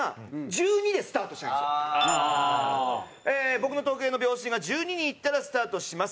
「僕の時計の秒針が１２にいったらスタートします。